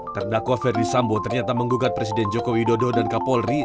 terdakwa ferdi sambo ternyata menggugat presiden joko widodo dan kapolri